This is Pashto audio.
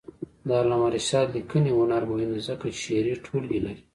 د علامه رشاد لیکنی هنر مهم دی ځکه چې شعري ټولګې لري.